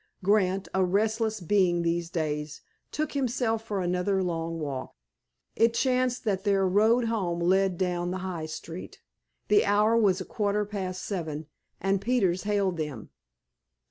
Grant, a restless being these days, took him for another long walk. It chanced that their road home led down the high street. The hour was a quarter past seven, and Peters hailed them.